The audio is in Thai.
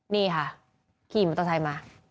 นี่ค่ะขี่มอเตอร์ไซค์มา